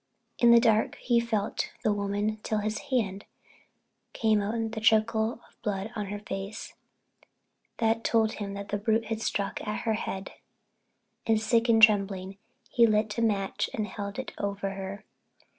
In the dark he felt the woman till his hand came on the trickle of blood on her face. That told him the brute had struck at her head, and sick and trembling, he lit a match and held it low over her.